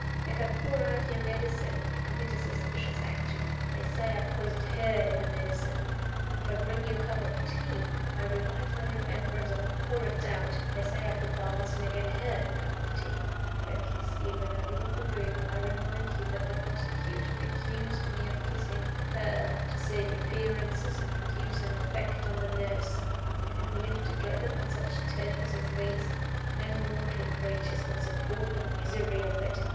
If I pour out your medicine, I commit a suspicious action they say I poisoned her in her medicine. If I bring you a cup of tea, I revive the remembrance of a horrid doubt they said I put the arsenic in her cup of tea. If I kiss you when I leave the room, I remind you that the prosecution accused me of kissing her, to save appearances and produce an effect on the nurse. Can we live together on such terms as these? No mortal creatures could support the misery of it.